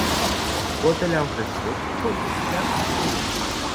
Cotele au crescut, producția a scăzut.